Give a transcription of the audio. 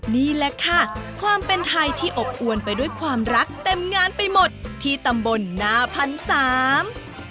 นี่แหละค่ะความเป็นไทยที่อบอวนไปด้วยความรักเต็มงานไปหมดที่ตำบลหน้าพันสาม